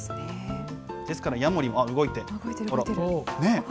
ですからヤモリが動いて、ほら、ね。